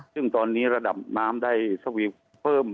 ซึ่งตอนนี้ระดับน้ำได้สวีปเพิ่ม